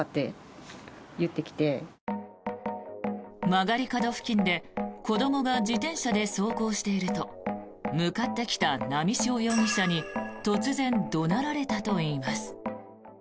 曲がり角付近で子どもが自転車で走行していると向かってきた波汐容疑者に突然、怒鳴られたといいます。